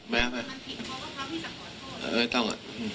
ไม่ต้อง